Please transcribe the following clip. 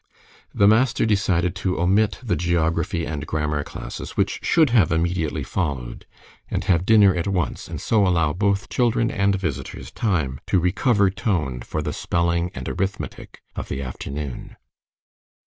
The master decided to omit the geography and grammar classes, which should have immediately followed, and have dinner at once, and so allow both children and visitors time to recover tone for the spelling and arithmetic of the afternoon.